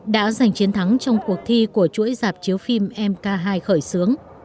đã giành chiến thắng trong cuộc thi của chuỗi dạp chiếu phim mk hai khởi xướng